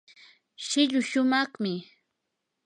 shilluu shumaqmi.